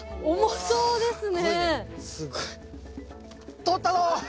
そうですね。